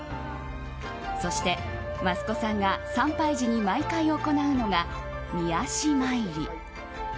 そして益子さんが参拝時に毎回行うのが御足参り。